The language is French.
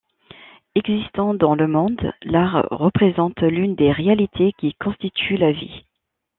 Existant dans le monde, l'art représente l'une des réalités qui constituent la vie.